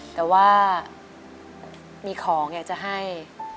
แต่ว่ามีของอยากจะให้